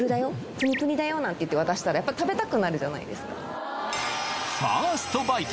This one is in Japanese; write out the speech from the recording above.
ぷにぷにだよなんて言って渡したらやっぱ食べたくなるじゃないですかファーストバイト